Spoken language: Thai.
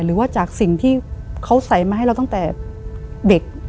หรือว่าจากสิ่งที่เขาใส่มาให้เราตั้งแต่เด็ก